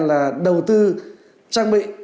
là đầu tư trang bị